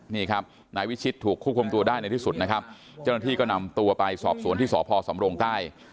นี่ครับนายวิชิตถูกควบคุมตัวได้ในที่สุดนะครับเจ้าหน้าที่ก็นำตัวไปสอบสวนที่สพสำรงใต้